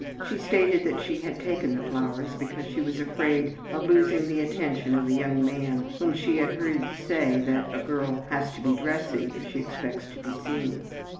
She stated that she had taken the flowers because she was afraid of losing the attention of a young man whom she had heard say that "a girl has to be dressy if she expects to be seen."